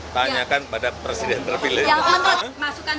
masukan dari bapak apakah memang diperlukan